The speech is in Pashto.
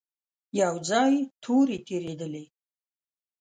يو ځای تورې تېرېدلې.